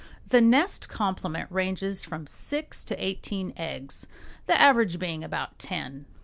The nest complement ranges from six to eighteen eggs, the average being about ten.